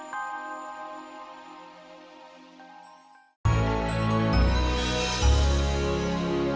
sampai jumpa lagi